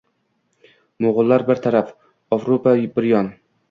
Mo’g’ullar bir taraf, Ovrupo bir yon!